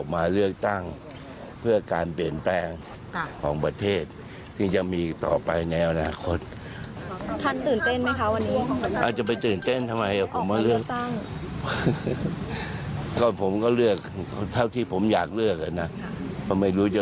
ไม่รู้จะเลือกใครครับ